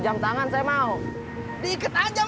wentainya kan miriam